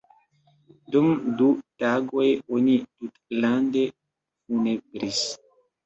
Dum du tagoj oni tutlande funebris.